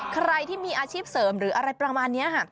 ใครที่มีอาชีพเสริมหรืออะไรประมาณนี้ค่ะ